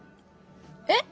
えっ？